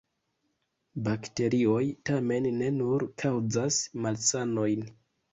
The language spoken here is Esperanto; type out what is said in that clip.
Bakterioj tamen ne nur kaŭzas malsanojn.